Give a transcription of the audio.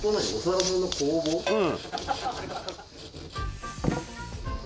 うん。